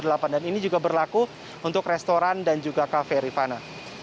dan ini juga berlaku untuk restoran dan juga kafe rifana